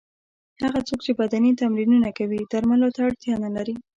هغه څوک چې بدني تمرینونه کوي درملو ته اړتیا نه لري.